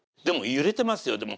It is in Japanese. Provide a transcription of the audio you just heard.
でも揺れてますよ